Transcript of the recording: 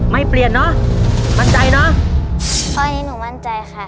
ไม่เปลี่ยนเนอะมั่นใจเนอะข้อนี้หนูมั่นใจค่ะ